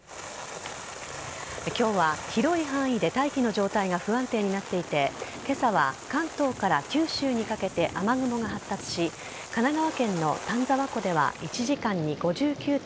今日は広い範囲で大気の状態が不安定になっていて今朝は関東から九州にかけて雨雲が発達し神奈川県の丹沢湖では１時間に５９．５ｍｍ